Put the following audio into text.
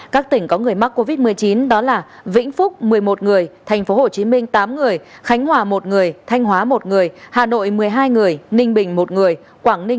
các tỉnh có người mắc covid một mươi chín đó là vĩnh phúc một mươi một người tp hcm tám người khánh hòa một người thanh hóa một người hà nội một mươi hai người ninh bình một người quảng ninh